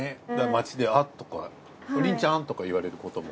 街で「あっ」とか「凛ちゃん」とか言われることも？